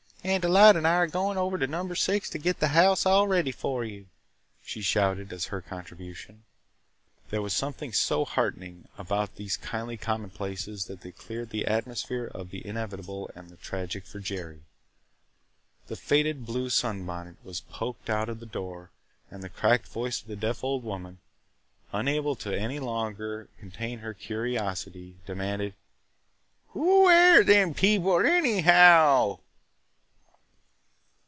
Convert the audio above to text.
"And Delight and I are going over to Number Six to get the house all ready for you!" she shouted as her contribution. There was something so heartening about these kindly commonplaces that they cleared the atmosphere of the inevitable and the tragic for Jerry. The faded blue sunbonnet was poked out of the door and the cracked voice of the deaf old woman, unable any longer to contain her curiosity, demanded, "Who air them people, anyhow?"